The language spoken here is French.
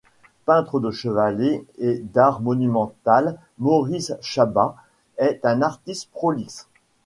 Peintre de chevalet et d'art monumental, Maurice Chabas est un artiste prolixe.